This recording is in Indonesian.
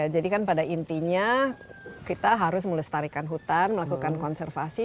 jadi kan pada intinya kita harus melestarikan hutan melakukan konservasi